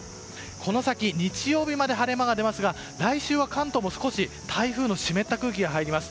この先日曜日まで晴れ間が出ますが来週は関東も少し台風の湿った空気が入ります。